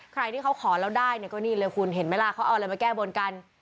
ใครที่เขาขอแล้วได้เนี่ยก็นี่เลยคุณเห็นไหมล่ะเขาเอาอะไรมาแก้บนกัน